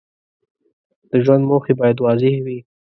د ژوند موخې باید واضح وي.